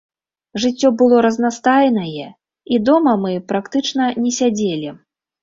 Жыццё было разнастайнае, і дома мы практычна не сядзелі.